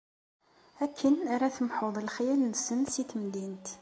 Akken ara temḥuḍ lexyal-nsen si temdint.